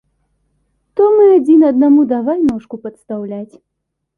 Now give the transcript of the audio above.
То мы адзін аднаму давай ножку падстаўляць.